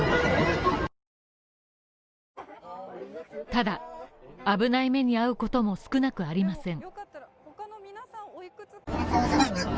ただ、危ない目に遭うことも少なくありません。